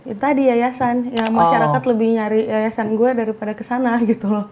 itu tadi yayasan masyarakat lebih nyari yayasan gue daripada kesana gitu loh